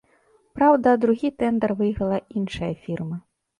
Праўда, другі тэндар выйграла іншая фірма.